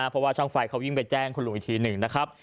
เพราะว่าช่างไฟเขาวิ่งไปแจ้งคุณลุงอีกทีหนึ่งนะครับ